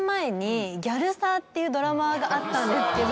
っていうドラマがあったんですけど